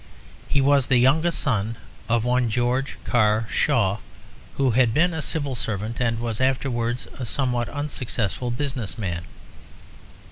He was the youngest son of one George Carr Shaw, who had been a civil servant and was afterwards a somewhat unsuccessful business man.